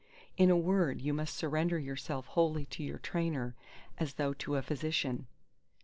In a word, you must surrender yourself wholly to your trainer, as though to a physician.